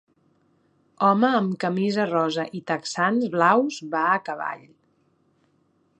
Home amb camisa rosa i texans blaus va a cavall.